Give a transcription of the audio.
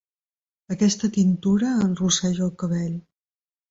Aquesta tintura enrosseix el cabell.